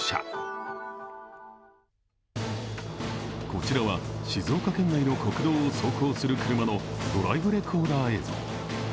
こちらは静岡県内の国道を走行する車のドライブレコーダー映像。